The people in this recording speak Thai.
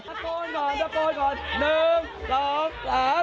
ตะโกนก่อน